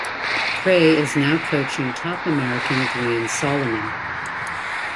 Gray is now coaching top American Duane Solomon.